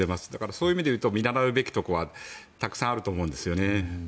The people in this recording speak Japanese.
そういう意味だと見習うべきところはたくさんあるんですよね。